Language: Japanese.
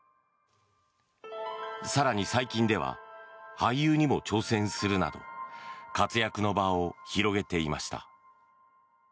更に、最近では俳優にも挑戦するなど活躍の場を広げていました。